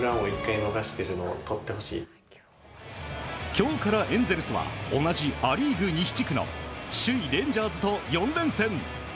今日からエンゼルスは同じア・リーグ西地区の首位レンジャーズと４連戦。